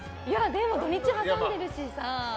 でも土日挟んでるしさ。